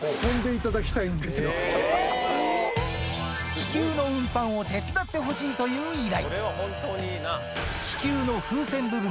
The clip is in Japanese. ⁉気球の運搬を手伝ってほしいという依頼